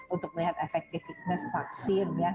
untuk melihat efektifitas vaksin